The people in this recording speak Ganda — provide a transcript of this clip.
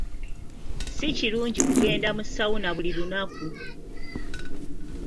Si kirungi kugenda mu sawuna buli lunaku.